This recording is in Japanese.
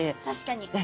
確かに。